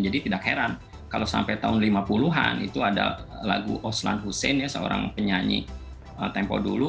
jadi tidak heran kalau sampai tahun lima puluh an itu ada lagu oslan hussein ya seorang penyanyi tempo dulu